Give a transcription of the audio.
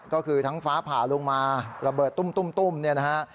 ก็คือทั้งฟ้าผ่าลงมาระเบิดตุ้มเนี่ยนะฮะ